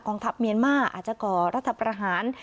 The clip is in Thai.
ทัพเมียนมาอาจจะก่อรัฐประหาร